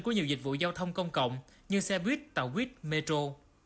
của nhiều dịch vụ giao thông công cộng như xe buýt tàu buýt metro